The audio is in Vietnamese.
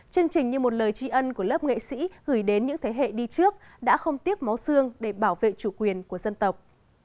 chương trình như một lời tri ân của lớp nghệ sĩ gửi đến những thế hệ đi trước đã không tiếc máu xương để bảo vệ chủ quyền của dân tộc